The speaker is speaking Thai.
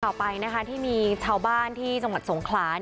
ขอบคุณครับขอบคุณครับขอบคุณครับ